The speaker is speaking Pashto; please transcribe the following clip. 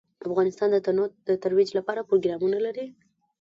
افغانستان د تنوع د ترویج لپاره پروګرامونه لري.